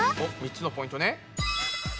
３つのポイントね。